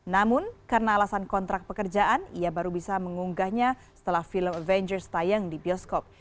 namun karena alasan kontrak pekerjaan ia baru bisa mengunggahnya setelah film avengers tayang di bioskop